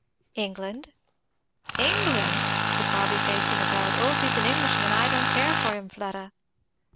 "England." "England!" said Barby facing about. "Oh if he's an Englishman I don't care for him, Fleda."